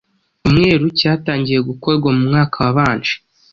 umweru cyatangiye gukorwa mu mwaka wabanje.